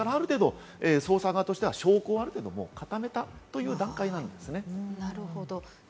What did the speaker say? ある程度、捜査側としては証拠をある程度固めたという段階なんですね。